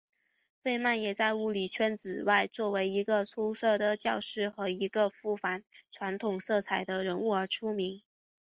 费曼也在物理圈子外作为一个出色的教师和一个富于反传统色彩的人物而出名。